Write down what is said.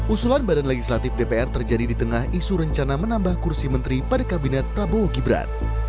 usulan badan legislatif dpr terjadi di tengah isu rencana menambah kursi menteri pada kabinet prabowo gibran